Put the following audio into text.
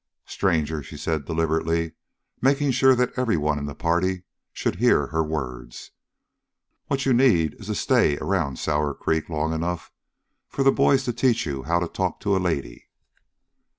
"Stranger," she said deliberately, making sure that every one in the party should hear her words, "what you need is a stay around Sour Creek long enough for the boys to teach you how to talk to a lady."